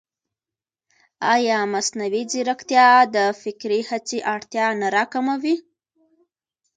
ایا مصنوعي ځیرکتیا د فکري هڅې اړتیا نه راکموي؟